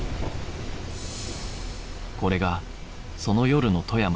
これがその夜の富山